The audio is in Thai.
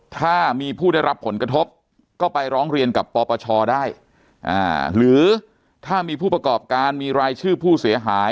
ถ้ามีผู้ได้รับผลกระทบก็ไปร้องเรียนกับปปชได้หรือถ้ามีผู้ประกอบการมีรายชื่อผู้เสียหาย